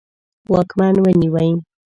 واکمن ونیوی.